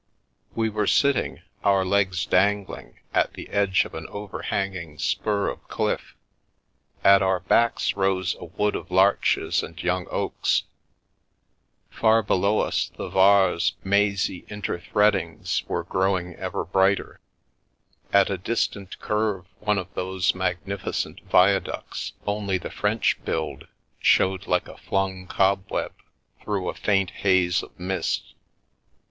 We were sitting, our legs dangling, at the edge of an overhanging spur of cliff; at our backs rose a wood of larches and young oaks ; far below us the Var's mazy inter threadings were growing ever brighter, at a dis tant curve one of those magnificent viaducts only the French build, showed like a flung cobweb through a faint haze of mist.